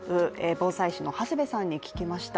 防災士の長谷部さんに聞きました。